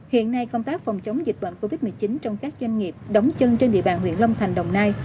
hiện nay công tác phòng chống dịch bệnh covid một mươi chín trong các doanh nghiệp đóng chân trên địa bàn huyện long thành đồng nai